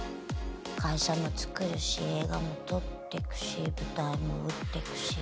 会社も作るし映画も撮ってくし舞台も打ってくし。